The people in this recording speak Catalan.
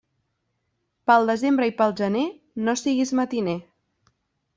Pel desembre i pel gener, no siguis matiner.